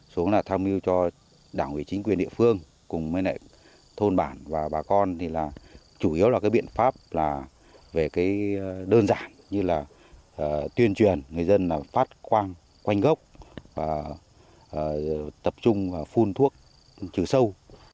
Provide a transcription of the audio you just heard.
xuống là tham mưu cho đảng ủy chính quyền địa phương cùng với thôn bản và bà con thì là chủ yếu là cái biện pháp là về cái đơn giản như là tuyên truyền người dân là phát khoang quanh gốc và tập trung phun thuốc trừ sâu